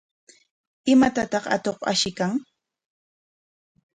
¿Imatataq atuq ashiykan?